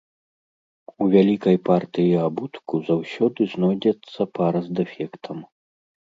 У вялікай партыі абутку заўсёды знойдзецца пара з дэфектам.